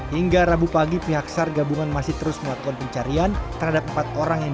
hingga rabu pagi pihak sar gabungan masih terus melakukan pencarian terhadap empat orang yang